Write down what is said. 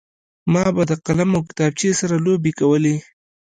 ما به د قلم او کتابچې سره لوبې کولې